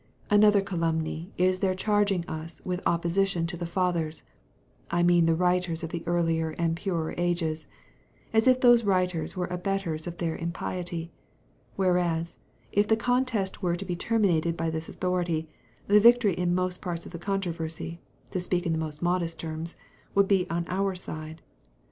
Another calumny is their charging us with opposition to the fathers, I mean the writers of the earlier and purer ages, as if those writers were abettors of their impiety; whereas, if the contest were to be terminated by this authority, the victory in most parts of the controversy to speak in the most modest terms would be on our side.